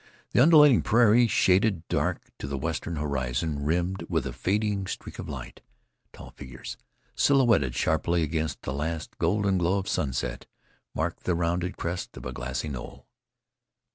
The undulating prairie shaded dark to the western horizon, rimmed with a fading streak of light. Tall figures, silhouetted sharply against the last golden glow of sunset, marked the rounded crest of a grassy knoll.